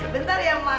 bentar ya mas